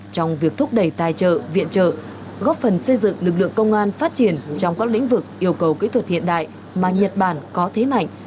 trong việc thúc đẩy tài trợ viện trợ góp phần xây dựng lực lượng công an phát triển trong các lĩnh vực yêu cầu kỹ thuật hiện đại mà nhật bản có thế mạnh